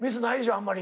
あんまり。